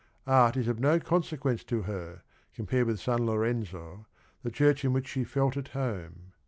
Art is of no consequence to her com pared with San Lorenzo, the church in which she felt at home.